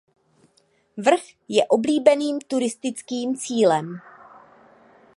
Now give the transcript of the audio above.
Vrch je oblíbeným turistickým cílem.